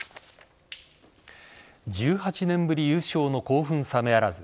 １８年ぶり優勝の興奮冷めやらず。